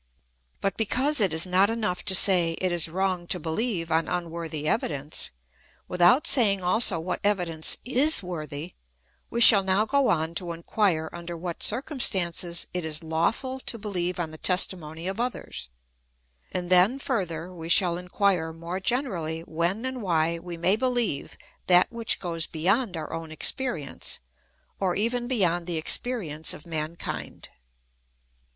But because it is not enough to say, ' It is wrong to believe on unworthy evidence,' without saying also what evidence is worthy, we shall now go on to inquire under what circumstances it is lawful to believe on the testimony of others ; and then, further, we shall inquire more generally when and why we may believe that which goes beyond our own experience, or even beyond the experience of mankind.